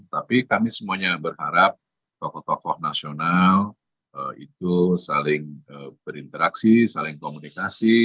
tapi kami semuanya berharap tokoh tokoh nasional itu saling berinteraksi saling komunikasi